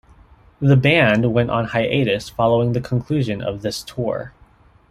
The band went on hiatus following the conclusion of this tour.